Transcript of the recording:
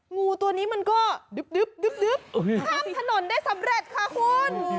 งูตัวนี้มันก็ดึ๊บข้ามถนนได้สำเร็จค่ะคุณ